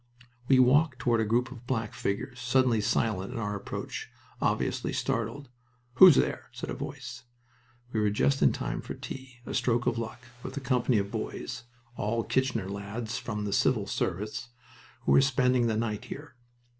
We walked toward a group of black figures, suddenly silent at our approach obviously startled. "Who's there?" said a voice. We were just in time for tea a stroke of luck with a company of boys (all Kitchener lads from the Civil Service) who were spending the night here.